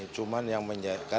cuma yang menjaga